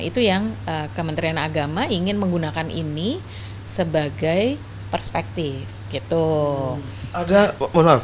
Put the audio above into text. itu yang kementerian agama ingin menggunakan ini sebagai perspektif gitu